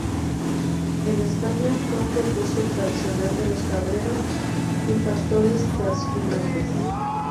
En España, fue un recurso tradicional de los cabreros y pastores trashumantes.